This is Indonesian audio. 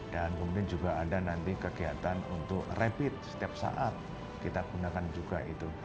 dan kemudian juga ada nanti kegiatan untuk rapid setiap saat kita gunakan juga itu